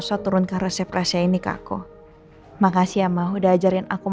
ok yuk maksud gram